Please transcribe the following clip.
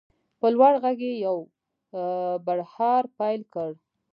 په لوړ غږ یې یو بړهار پیل کړ.